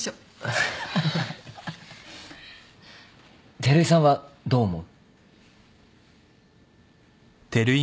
照井さんはどう思う？